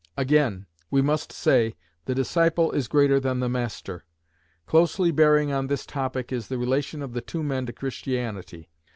Again, we must say, the disciple is greater than the master. Closely bearing on this topic is the relation of the two men to Christianity.